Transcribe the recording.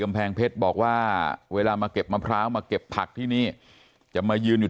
แพงเพชรบอกว่าเวลามาเก็บมะพร้าวมาเก็บผักที่นี่จะมายืนอยู่